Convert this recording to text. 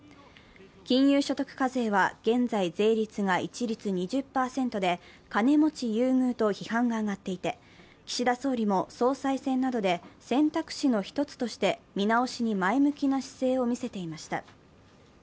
金融所得課税は現在、税率が一律２０％で金持ち優遇と批判が上がっていて、岸田総理も総裁選などで選択肢の一つとして見直しに前向きな姿勢を見せていました。